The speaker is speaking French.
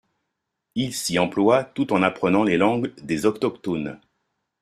Il s’y emploie, tout en apprenant les langues des autochtones.